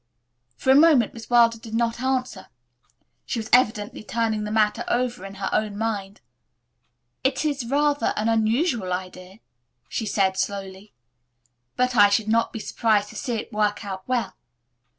For a moment Miss Wilder did not answer. She was evidently turning the matter over in her own mind. "It is rather an unusual idea," she said slowly, "but I should not be surprised to see it work out well.